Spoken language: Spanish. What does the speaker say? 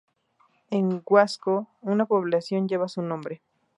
En Huasco, una población lleva su nombre.